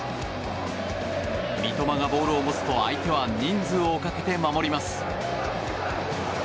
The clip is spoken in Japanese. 三笘がボールを持つと相手は人数をかけて守ります。